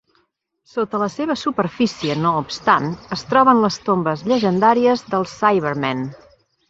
Sota la seva superfície, no obstant, es troben les tombes llegendàries dels Cybermen.